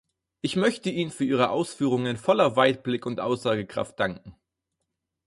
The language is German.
Ich möchte Ihnen für Ihre Ausführungen voller Weitblick und Aussagekraft danken.